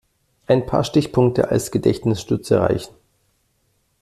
Ein paar Stichpunkte als Gedächtnisstütze reichen.